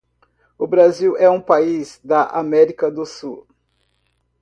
O Brasil é um país da América do Sul.